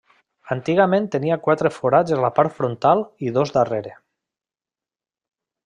Antigament tenia quatre forats a la part frontal i dos darrere.